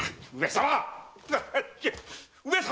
上様！